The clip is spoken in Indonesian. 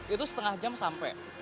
itu setengah jam sampai